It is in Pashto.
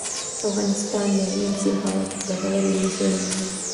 افغانستان د هلمند سیند په اړه ګټورې علمي څېړنې لري.